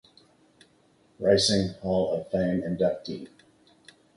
Racing Hall of Fame inductee.